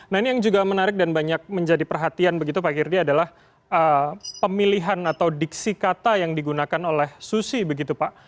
nah ini yang juga menarik dan banyak menjadi perhatian begitu pak girdi adalah pemilihan atau diksi kata yang digunakan oleh susi begitu pak